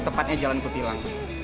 tepatnya jalan kutilang